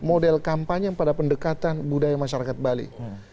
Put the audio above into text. model kampanye pada pendekatan budaya masyarakat bali